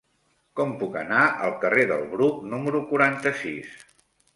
Com puc anar al carrer del Bruc número quaranta-sis?